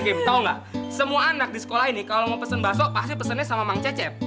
gila kim tau ga semua anak di sekolah ini kalo mau pesen baso pasti pesennya sama mang cecep